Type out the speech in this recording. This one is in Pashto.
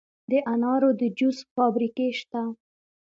د انارو د جوس فابریکې شته.